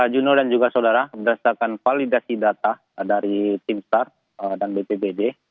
juno dan juga saudara berdasarkan validasi data dari tim start dan bpbd